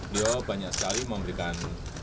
dia banyak sekali memberikan